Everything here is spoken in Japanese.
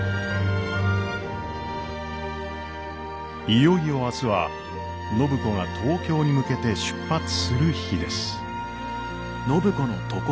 いよいよ明日は暢子が東京に向けて出発する日です。